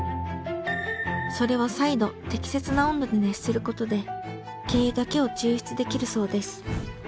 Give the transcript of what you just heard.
それを再度適切な温度で熱することで軽油だけを抽出できるそうです。